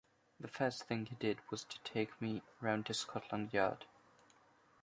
The first thing he did was to take me round to Scotland Yard.